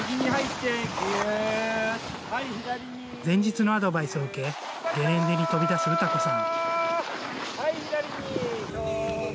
前日のアドバイスを受け、ゲレンデに飛び出す詩子さん。